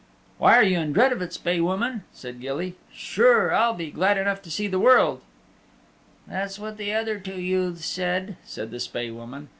"Why are you in dread of it, Spae Woman?" said Gilly. "Sure, I'll be glad enough to see the world." "That's what the other two youths said," said the Spae Woman.